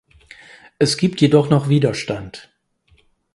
Es gibt jedoch noch Widerstand.